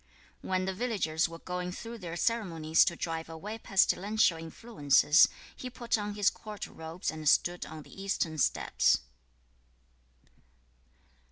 2. When the villagers were going through their ceremonies to drive away pestilential influences, he put on his court robes and stood on the eastern steps.